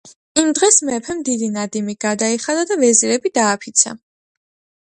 იმ დღეს მეფემ დიდი ნადიმი გადაიხადა და ვეზირები დააფიცა